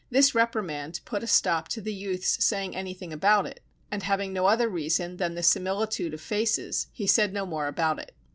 This reprimand put a stop to the youth's saying anything about it, and having no other reason than the similitude of faces, he said no more about it.